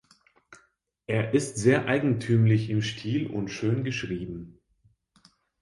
Er ist "sehr eigentümlich im Stil und schön geschrieben".